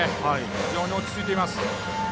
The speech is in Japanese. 非常に落ち着いています。